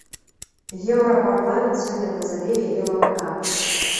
Еўрапарламент сёння назаве яе лаўрэата.